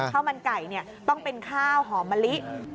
ข้าวมันไก่ต้องเป็นข้าวหอมมะลิ